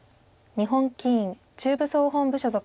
日本棋院中部総本部所属。